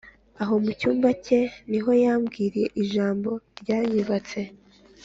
aho mu cyumba ke ni ho yambwiriye ijambo ryanyubatse